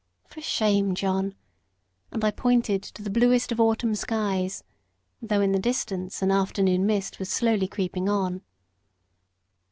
"For shame, John!" and I pointed to the bluest of autumn skies, though in the distance an afternoon mist was slowly creeping on.